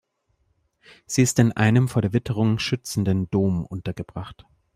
Sie ist in einem vor der Witterung schützenden "Dom" untergebracht.